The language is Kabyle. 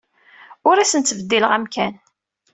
Ur asen-ttbeddileɣ amkan.